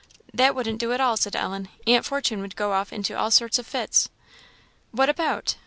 "That wouldn't do at all," said Ellen; "Aunt Fortune would go off into all sorts of fits." "What about?"